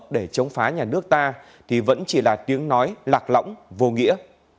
để chống phá nhà nước ta thì vẫn chỉ là tiếng nói lạc lõng vô nghĩa